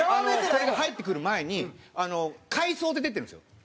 これが入ってくる前に「回送」って出てるんですよ